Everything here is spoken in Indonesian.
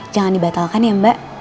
jangan dibatalkan ya mbak